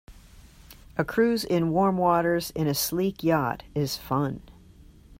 A cruise in warm waters in a sleek yacht is fun.